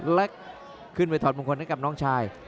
และขึ้นไปถอดมงคลให้กับน้องชาย